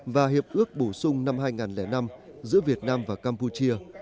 và hiệp ước bổ sung năm hai nghìn năm giữa việt nam và campuchia